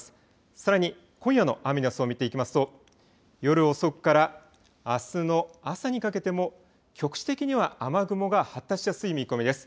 さらに今夜の雨の予想を見ていきますと、夜遅くからあすの朝にかけても局地的には雨雲が発達しやすい見込みです。